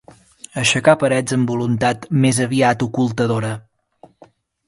Aixecar parets amb voluntat més aviat ocultadora.